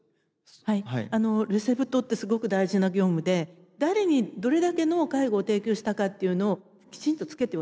はいレセプトってすごく大事な業務で誰にどれだけの介護を提供したかっていうのをきちんとつけております。